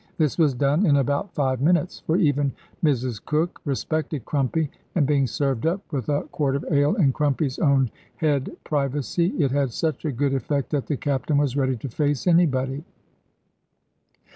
This was done in about five minutes (for even Mrs Cook respected Crumpy); and being served up, with a quart of ale, in Crumpy's own head privacy, it had such a good effect that the Captain was ready to face anybody.